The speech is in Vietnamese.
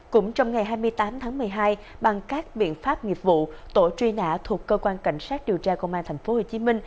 cũng trong ngày hai mươi tám tháng một mươi hai bằng các biện pháp nghiệp vụ tổ truy nã thuộc cơ quan cảnh sát điều tra công an tp hcm